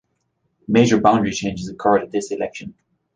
Major boundary changes occurred at this election.